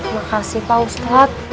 makasih pak ustaz